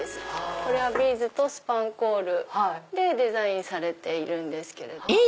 これはビーズとスパンコールでデザインされているんですけども。